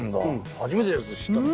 初めてです知ったの。